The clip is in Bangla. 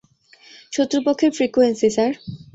শত্রুপক্ষের ফ্রিকুয়েন্সি, স্যার!